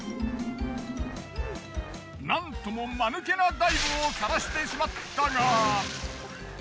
なんともマヌケなダイブをさらしてしまったが。